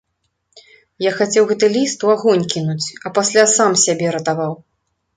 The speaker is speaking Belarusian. Я хацеў гэты ліст у агонь кінуць, а пасля сам сябе ратаваў.